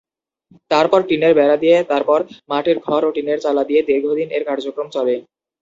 তারপর টিনের বেড়া দিয়ে, তারপর মাটির ঘর ও টিনের চালা দিয়ে দীর্ঘদিন এর কার্যক্রম চলে।